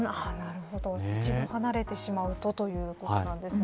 一度、離れてしまうとということなんですね。